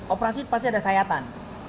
operasi pasti ada sayatan